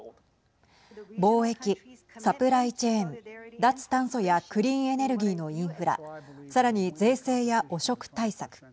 貿易サプライチェーン、脱炭素やクリーンエネルギーのインフラさらに税制や汚職対策